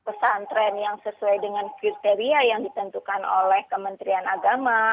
nah terkait misalnya apakah itu pesantren yang sesuai dengan kriteria yang ditentukan oleh kementerian agama